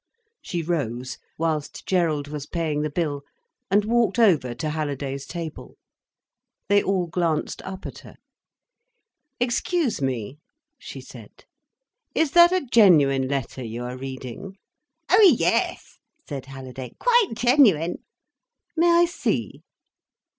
She rose, whilst Gerald was paying the bill, and walked over to Halliday's table. They all glanced up at her. "Excuse me," she said. "Is that a genuine letter you are reading?" "Oh yes," said Halliday. "Quite genuine." "May I see?"